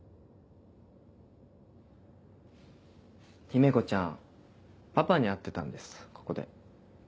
姫子ちゃんパパに会ってたんですここで。